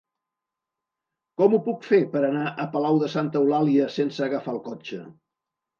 Com ho puc fer per anar a Palau de Santa Eulàlia sense agafar el cotxe?